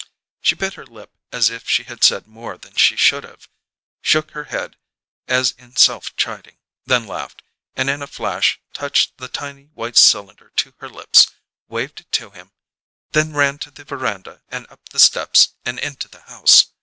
She bit her lip as if she had said more than she should have; shook her head as in self chiding; then laughed, and in a flash touched the tiny white cylinder to her lips, waved it to him; then ran to the veranda and up the steps and into the house.